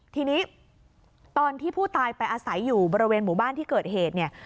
ทีนี้ตอนที่ผู้ตายไปอาศัยอยู่บริเวณหมู่บ้านที่เกิดเหตุเนี่ย